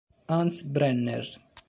Hans Brenner